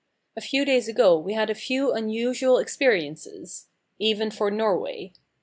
A few days ago we had a few unusual experiences even for Norway.